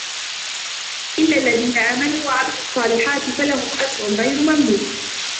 إِلَّا الَّذينَ آمَنوا وَعَمِلُوا الصّالِحاتِ فَلَهُم أَجرٌ غَيرُ مَمنونٍ